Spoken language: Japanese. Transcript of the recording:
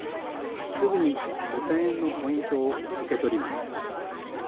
すぐに５０００円のポイントを受け取ります。